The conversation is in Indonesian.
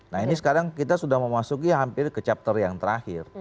nah ini sekarang kita sudah memasuki hampir ke chapter yang terakhir